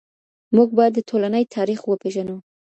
موږ باید د ټولني تاریخ وپېژنو.